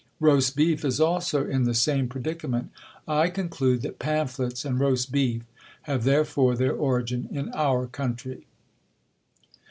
Roast Beef is also in the same predicament. I conclude that Pamphlets and Roast Beef have therefore their origin in our country.